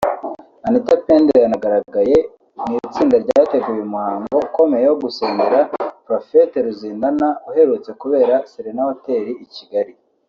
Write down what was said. Anita Pendo yanagaragaye mu itsinda ryateguye umuhango ukomeye wo gusengera Prophète Ruzindana uherutse kubera Serena Hotel i Kigali